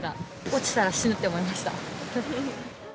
落ちたら死ぬって思いました。